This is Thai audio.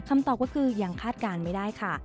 คำตอบก็คือยังคาดการณ์ไม่ได้ค่ะ